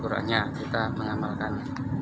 kekurangannya kita mengamalkan